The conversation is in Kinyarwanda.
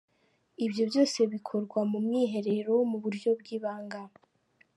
Ibyo byose bikorwa mu mwiherero, mu buryo bw‘ibanga.